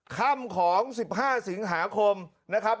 ค่ำของ๑๕สิงหาคมนะครับ